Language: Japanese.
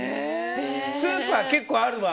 スーパー、結構あるわ。